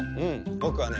ぼくはね